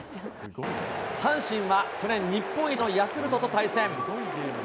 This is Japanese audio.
阪神は去年日本一のヤクルトと対戦。